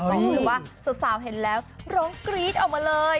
หรือว่าสาวเห็นแล้วร้องกรี๊ดออกมาเลย